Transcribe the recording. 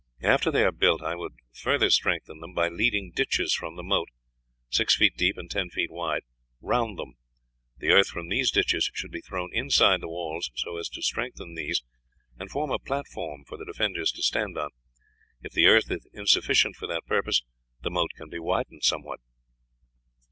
After they are built I would further strengthen them by leading ditches from the moat, six feet deep and ten feet wide, round them. The earth from these ditches should be thrown inside the walls, so as to strengthen these and form a platform for the defenders to stand on. If the earth is insufficient for that purpose the moat can be widened somewhat."